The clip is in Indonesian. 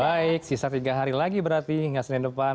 baik sisa tiga hari lagi berarti hingga senin depan